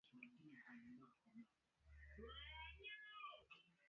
zaidi Lakini nchi ni maskini kutokana na vita vya miaka